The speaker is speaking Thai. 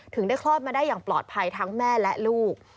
ถึงได้คลอดมาได้อย่างปลอดภัยทั้งแม่และลูก